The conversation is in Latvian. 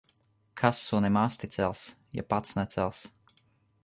Kas sunim asti cels, ja pats necels.